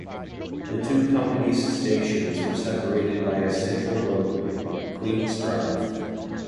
The two companies stations were separated by a central roadway; Queens Drive.